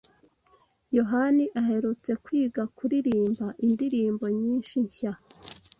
yohani aherutse kwiga kuririmba indirimbo nyinshi nshya.